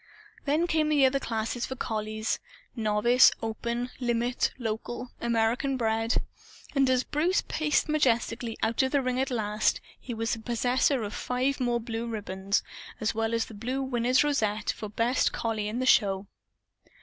Then came the other classes for collies "Novice," "Open," "Limit," "Local," "American Bred." And as Bruce paced majestically out of the ring at last, he was the possessor of five more blue ribbons as well as the blue Winner's rosette, for "best collie in the show."